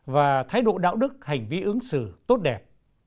và thái độ đạo đức hành vi ứng xử tốt đẹp